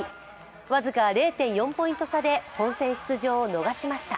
僅か０．４ポイント差で本戦出場を逃しました、